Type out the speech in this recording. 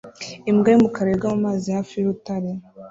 Imbwa y'umukara yoga mu mazi hafi y'urutare